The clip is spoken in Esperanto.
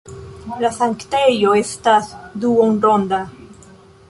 La sanktejo estas duonronda.